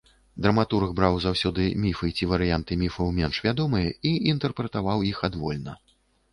Драматург браў заўсёды міфы ці варыянты міфаў, менш вядомыя, і інтэрпрэтаваў іх адвольна.